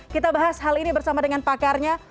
kita bahas hal ini bersama dengan pakarnya